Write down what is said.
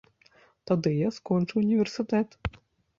Тады я скончу універсітэт.